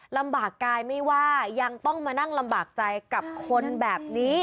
ลำบากกายไม่ว่ายังต้องมานั่งลำบากใจกับคนแบบนี้